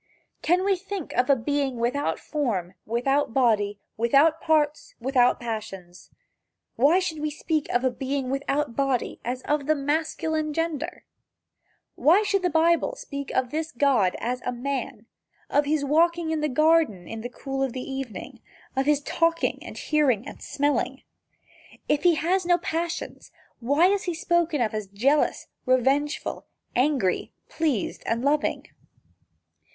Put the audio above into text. Can we think of a being without form, without body, without parts, without passions? Why should we speak of a being without body as of the masculine gender? Why should the Bible speak of this God as a man? of his walking in the garden in the cool of the evening of his talking, hearing and smelling? If he has no passions why is he spoken of as jealous, revengeful, angry, pleased and loving?